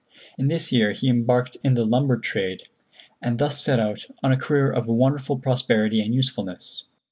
In this year he embarked in the lumber trade, and thus set out on a career of wonderful prosperity and usefulness.